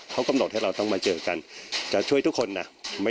เขากำหนดให้เราต้องมาเจอกันจะช่วยทุกคนนะ